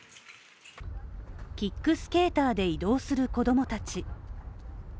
キックスケーターで移動する子供たち。